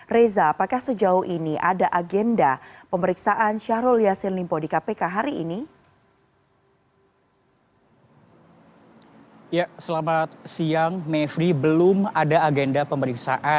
reza apakah sejauh ini ada agenda pemeriksaan syahrul yassin limpo di kpk hari ini